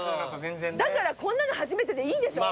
だから「こんなの初めて」でいいでしょ？